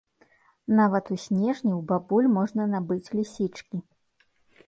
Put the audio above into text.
Нават у снежні ў бабуль можна набыць лісічкі.